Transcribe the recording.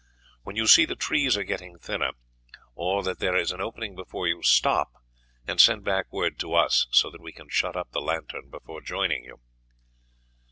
When you see the trees are getting thinner, or that there is an opening before you, stop and send back word to us, so that we can shut up the lantern before joining you."